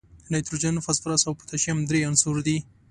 نایتروجن، فاسفورس او پوتاشیم درې عنصره دي.